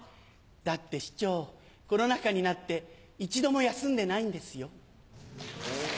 だって師長コロナ禍になって一度も休んでないんですよ。